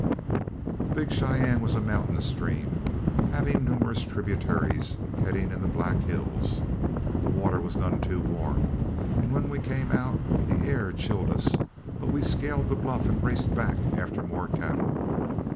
The Big Cheyenne was a mountain stream, having numerous tributaries heading in the Black Hills. The water was none too warm, and when we came out the air chilled us; but we scaled the bluff and raced back after more cattle.